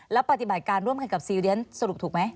แล้วปฏิบัติการร่วมกันกับซีเรียสสรุปถูกไหม